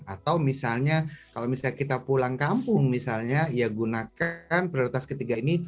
atau misalnya kalau misalnya kita pulang kampung misalnya ya gunakan prioritas ketiga ini